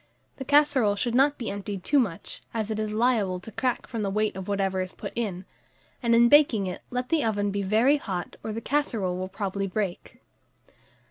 The casserole should not be emptied too much, as it is liable to crack from the weight of whatever is put in; and in baking it, let the oven be very hot, or the casserole will probably break.